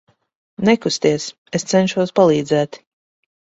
Nekusties, es cenšos palīdzēt.